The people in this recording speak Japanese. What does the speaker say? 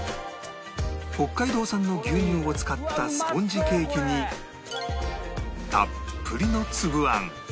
北海道産の牛乳を使ったスポンジケーキにたっぷりのつぶあん